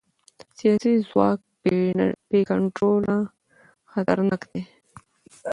سیاسي ځواک بې کنټروله خطرناک دی